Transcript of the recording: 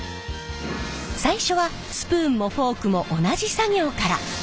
最初はスプーンもフォークも同じ作業から。